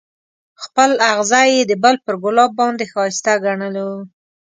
خپل اغزی یې د بل پر ګلاب باندې ښایسته ګڼلو.